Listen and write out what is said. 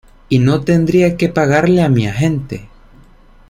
Y no tendría que pagarle a mi agente".